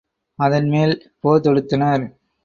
அதன் மேல் போர் தொடுத்தனர்.